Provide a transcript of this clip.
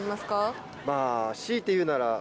強いて言うなら。